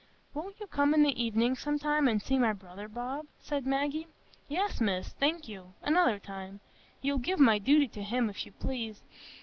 "Won't you come in the evening some time, and see my brother, Bob?" said Maggie. "Yes, Miss, thank you—another time. You'll give my duty to him, if you please.